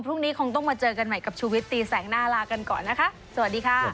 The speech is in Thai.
พรุ่งนี้คงต้องมาเจอกันใหม่กับชุวิตตีแสงหน้าลากันก่อนนะคะสวัสดีค่ะ